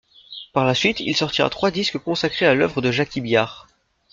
Par la suite, il sortira trois disques consacrés à l’œuvre de Jaki Byard.